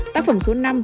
tác phẩm số năm